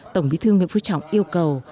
tổng bí thư nguyễn phú trọng yêu cầu